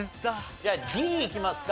じゃあＤいきますか。